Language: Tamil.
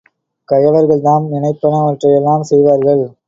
கயவர்கள் தாம் நினைப்பன வற்றையெல்லாம் செய்வார்கள்.